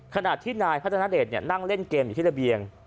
ขณะที่นายพัฒนาเดชนั่งเล่นเกมอยู่ที่ระเบียง